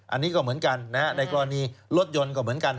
อันนี้ก็เหมือนกันนะฮะในกรณีรถยนต์ก็เหมือนกัน